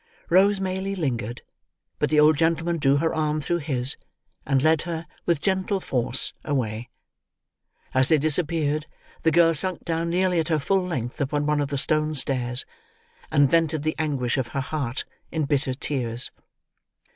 Rose Maylie lingered, but the old gentleman drew her arm through his, and led her, with gentle force, away. As they disappeared, the girl sunk down nearly at her full length upon one of the stone stairs, and vented the anguish of her heart in bitter tears.